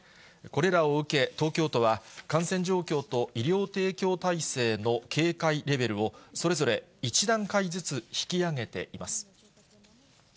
これらを受け、東京都は感染状況と医療提供体制の警戒レベルをそれぞれ１段階ずつ引き上げています。